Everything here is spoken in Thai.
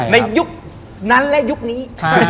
ในยุคนั้นและยุคนี้